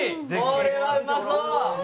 これはうまそう！